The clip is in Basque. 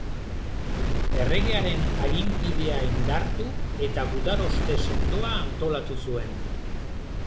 Erregearen aginpidea indartu eta gudaroste sendoa antolatu zuen.